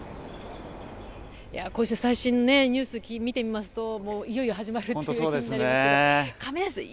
こうした最新のニュースを見てみますといよいよ始まるっていう気になりますが。